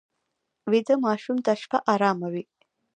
ویده ماشوم ته شپه ارامه وي